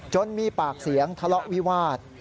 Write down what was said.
มีปากเสียงทะเลาะวิวาส